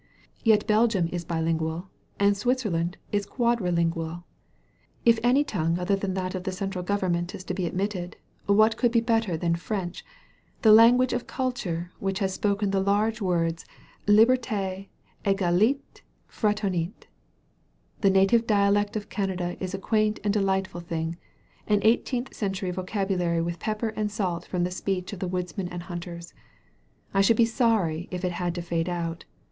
Yet Belgium is bilingual and Switzerland is quad rilingual. If any tongue other than that of the central government b to be admitted, what could be better than French — ^the language of culture, which has spoken the large words, liberie, egalite, fratemiiif The native dialect of French Canada is a quaint and delightful thing — ^an eighteenth century vocab ulary with pepper and salt from the speech of the woodsmen and hunters. I should be sorry if it had to fade out.